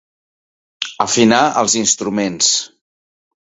Afinar els instruments.